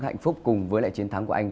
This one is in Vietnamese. hạnh phúc cùng với chiến thắng của anh